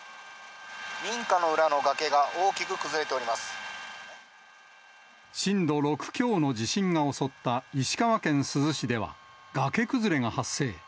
民家の裏の崖が大きく崩れて震度６強の地震が襲った石川県珠洲市では、崖崩れが発生。